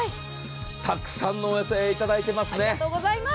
たくさんお寄せいただいてますね。